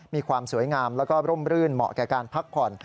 มีความสวยงามแล้วก็ร่มรื่นเหมาะแก่การพักผ่อน